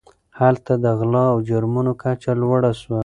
هلته د غلا او جرمونو کچه لوړه سوه.